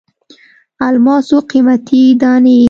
الماسو قیمتي دانې.